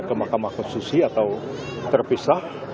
ke mahkamah konstitusi atau terpisah